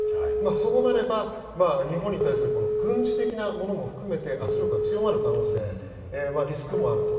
そうなれば、日本に対して軍事的なものも含めて圧力が強まる可能性リスクもあると。